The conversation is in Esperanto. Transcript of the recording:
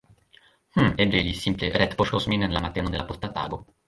Mmm, eble ili simple retpoŝtos min en la mateno de la posta tago.